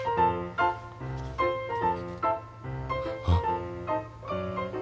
あっ！